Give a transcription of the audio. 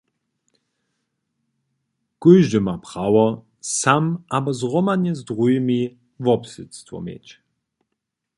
Kóždy ma prawo, sam abo zhromadnje z druhimi wobsydstwo měć.